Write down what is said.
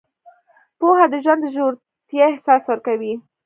پوهه د ژوند د ژورتیا احساس ورکوي.